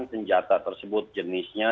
senjata tersebut jenisnya